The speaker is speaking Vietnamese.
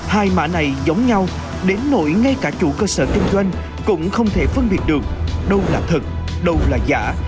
hai mã này giống nhau đến nổi ngay cả chủ cơ sở kinh doanh cũng không thể phân biệt được đâu là thật đâu là giả